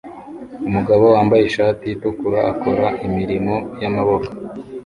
Umugabo wambaye ishati itukura akora imirimo y'amaboko